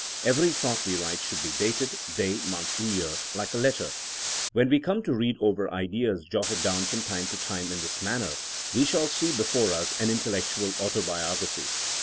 Every thought we write should be dated, day, month and year, like a letter. When we come to read over ideas jotted down from time to time in this man ner, we shall see before us an intellectual autobiography.